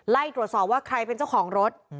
ไล่ตรวจสอบว่าใครเป็นเจ้าของรถ